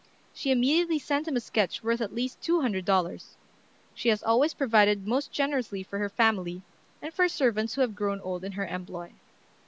She immediately sent him a sketch worth at least two hundred dollars. She has always provided most generously for her family, and for servants who have grown old in her employ.